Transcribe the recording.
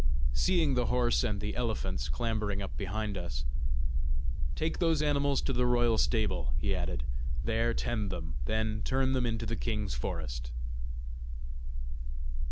Seeing the horse and the elephants clambering up behind us "Take those animals to the royal stables," he added; "there tend them; then turn them into the king's forest."